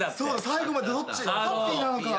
最後までどっちハッピーなのか。